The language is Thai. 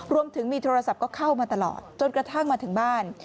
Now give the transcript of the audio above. รวมถึงมีโทรศัพท์ก็เข้ามาตลอดจนกระทั่งมาถึงบ้าน